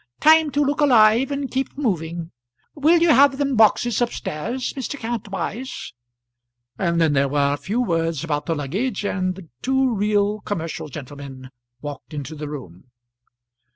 "Time to look alive and keep moving. Will you have them boxes up stairs, Mr. Kantwise?" and then there were a few words about the luggage, and two real commercial gentlemen walked into the room.